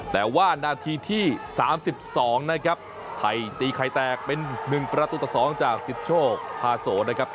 แต่ว่านาทีที่๓๒นะครับไทยตีไข่แตกเป็น๑ประตูต่อ๒จากสิทธิโชคพาโสนะครับ